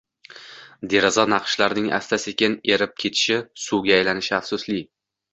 Deraza naqshlarining asta-sekin erib ketishi, suvga aylanishi afsusli